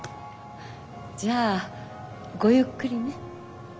じゃあごゆっくりね。